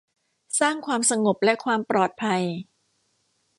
สร้างความสงบและความปลอดภัย